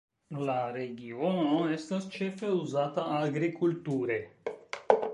La regiono estas ĉefe uzata agrikulture.